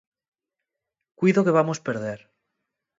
Cuido que vamos perder.